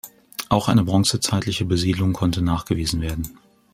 Auch eine bronzezeitliche Besiedlung konnte nachgewiesen werden.